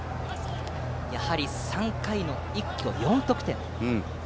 やはり３回の一挙４得点。